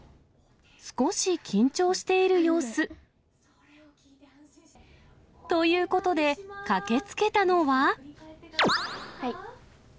少し緊張している様子。ということで、駆けつけたのは。